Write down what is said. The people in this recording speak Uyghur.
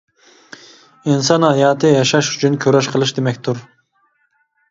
ئىنسان ھاياتى ياشاش ئۈچۈن كۈرەش قىلىش دېمەكتۇر.